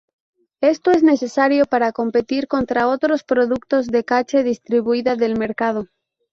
Esto es necesario para competir contra otros productos de cache distribuida del mercado.